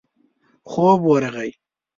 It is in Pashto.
خوب ورغی.